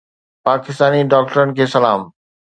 پاڪستاني ڊاڪٽرن کي سلام